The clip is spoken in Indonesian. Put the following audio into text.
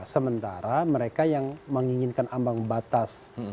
sementara mereka yang menginginkan ambang batas